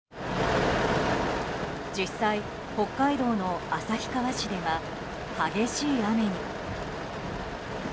実際、北海道の旭川市では激しい雨に。